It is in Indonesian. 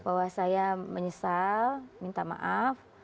bahwa saya menyesal minta maaf